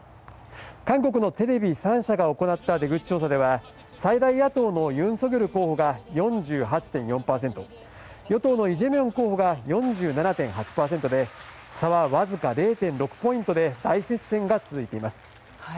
韓国のテレビ３社が行った出口調査では最大野党のユン・ソギョル候補が４８．４％与党のイ・ジェミョン候補が４７．８％で差はわずか０．６ポイントで大接戦が続いています。